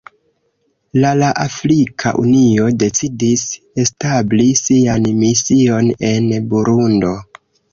La la Afrika Unio decidis establi sian mision en Burundo.